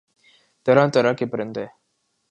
طرح طرح کے پرندے